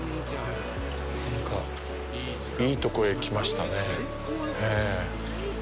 なんか、いいところへ来ましたねぇ。